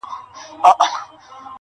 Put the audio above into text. دوې کښتۍ مي وې نجات ته درلېږلي٫